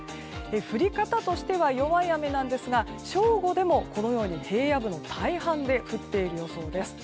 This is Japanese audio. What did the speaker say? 降り方としては弱い雨なんですが正午でも平野部の大半で降っている予想です。